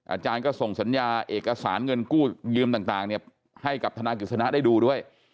อาจารย์ก็ส่งสัญญาเอกสารเงินกู้ยืมต่างให้กับทนายกฤษณะได้ดูด้วย